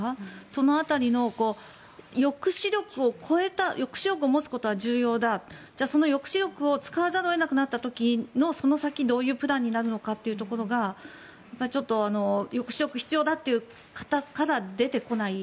その辺りの抑止力を超えた抑止力を持つことは重要だその抑止力を使わざるを得なくなった時のその先、どういうプランになるのかというところが抑止力が必要だという方から出てこない